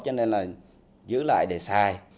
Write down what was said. cho nên giữ lại để xài